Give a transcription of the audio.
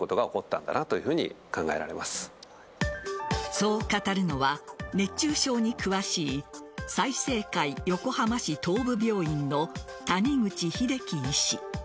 そう語るのは、熱中症に詳しい済生会横浜市東部病院の谷口英喜医師。